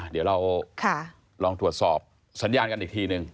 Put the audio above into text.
เดี๋ยวเราลองตรวจสอบสัญญาณกันอีกทีนึง